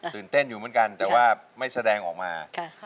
ตื่นเต้นอยู่เหมือนกันแต่ว่าไม่แสดงออกมา